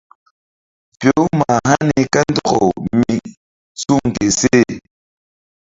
Fe-u mah hani kandɔkaw mí suŋ ke seh.